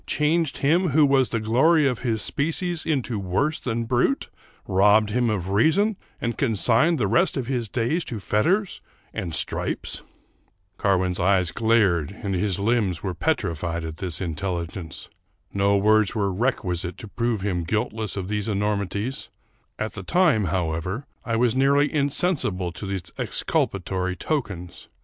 — changed him who was the glory of his species into worse than brute? — robbed him of reason and con signed the rest of his days to fetters and stripes ?" Carwin's eyes glared and his limbs were petrified at this intelligence. No words were requisite to prove him guilt less of these enormities : at the time, however, I was nearly insensible to these exculpatory tokens.